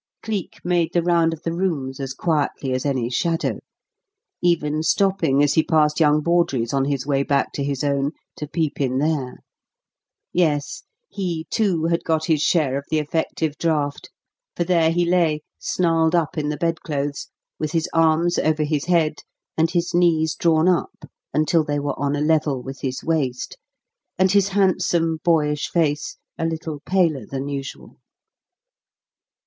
Cleek made the round of the rooms as quietly as any shadow, even stopping as he passed young Bawdrey's on his way back to his own to peep in there. Yes; he, too, had got his share of the effective draught, for there he lay snarled up in the bed clothes, with his arms over his head and his knees drawn up until they were on a level with his waist, and his handsome, boyish face a little paler than usual.